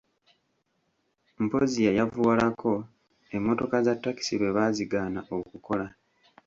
Mpozzi yayavuwalako emmotoka za takisi lwe baazigaana okukola.